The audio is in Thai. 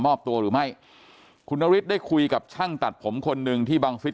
มอบตัวหรือไม่คุณนฤทธิได้คุยกับช่างตัดผมคนหนึ่งที่บังฟิศ